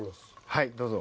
はいどうぞ。